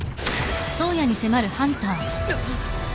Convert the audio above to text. あっ。